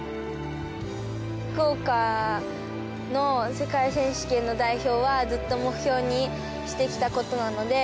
福岡の世界選手権の代表はずっと目標にしてきたことなので。